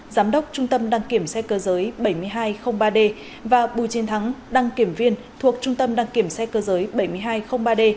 giám đốc trung tâm đăng kiểm xe cơ giới bảy nghìn hai trăm linh ba d và bùi chiến thắng đăng kiểm viên thuộc trung tâm đăng kiểm xe cơ giới bảy nghìn hai trăm linh ba d